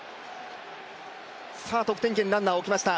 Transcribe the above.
得点圏にランナーを置きました。